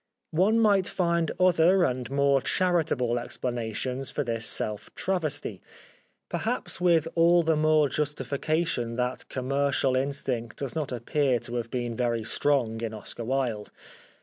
One might find other and more charitable ex planations for this self travesty ; perhaps with all the more justification that commerical in stinct does not appear to have been very strong in Oscar Wilde.